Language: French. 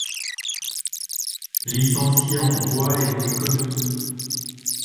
Licencié en droit et en économie.